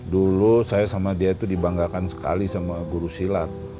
dulu saya sama dia itu dibanggakan sekali sama guru silat